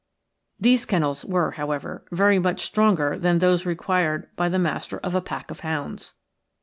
These kennels were, however, very much stronger than those required by the master of a pack of hounds.